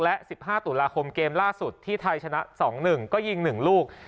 และ๑๕ตุลาคมเกมล่าสุดที่ไทยชนะ๒๑ก็ยิง๑ลูก